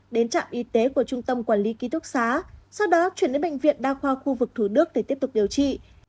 đến trạm y tế của trung tâm quản lý ký túc xá sau đó chuyển đến bệnh viện đa khoa khu vực thủ đức để tiếp tục điều trị